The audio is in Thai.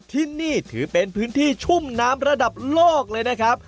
ที่นี่ถือเป็นพื้นที่ชุ่มน้ำระดับโลกเลยนะครับ